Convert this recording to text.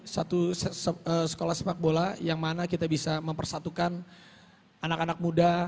satu sekolah sepak bola yang mana kita bisa mempersatukan anak anak muda